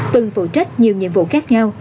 từng phụ trách nhiều nhiệm vụ khác nhau